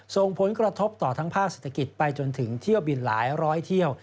ส่งผลกระทบต่อทั้งภาคเศรษฐกิจไปจนถึงเที่ยวบินหลายร้อยเที่ยว